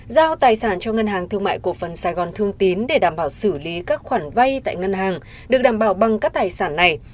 giao tài sản cho ngân hàng thương mại cổ phần sài gòn thương tín để đảm bảo xử lý các khoản vay tại ngân hàng được đảm bảo bằng các tài sản này